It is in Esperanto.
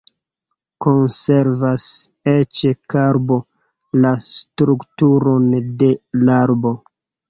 Konservas eĉ karbo la strukturon de l' arbo.